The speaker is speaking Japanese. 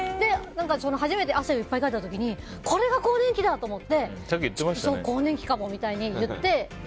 初めて汗をいっぱいかいた時にこれが更年期だ！と思って更年期かもって言って。